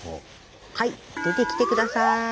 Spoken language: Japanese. はい出てきて下さい。